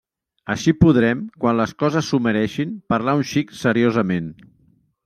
Així podrem, quan les coses s'ho mereixin, parlar un xic seriosament.